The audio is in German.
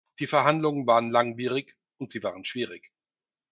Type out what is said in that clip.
Die Verhandlungen waren langwierig, und sie waren schwierig.